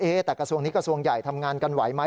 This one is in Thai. แต่กระทรวงนี้กระทรวงใหญ่ทำงานกันไหวไหม